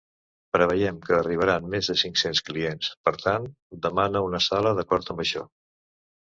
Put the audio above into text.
Preveiem que arribaran més de cinc-cents clients, per tant, demana una sala d'acord amb això.